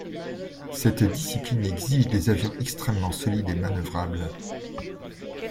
Cette discipline exige des avions extrêmement solides et manœuvrables.